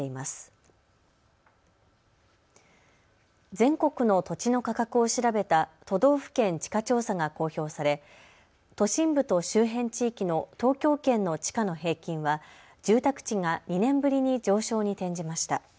全国の土地の価格を調べた都道府県地価調査が公表され都心部と周辺地域の東京圏の地価の平均は住宅地が２年ぶりに上昇に転じました。